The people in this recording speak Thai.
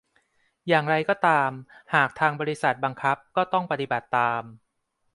อย่างไรก็ตาม หากทางบริษัทบังคับก็ต้องปฏิบัติตาม